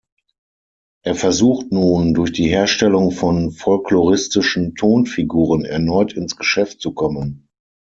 Er versucht nun, durch die Herstellung von folkloristischen Tonfiguren, erneut ins Geschäft zu kommen.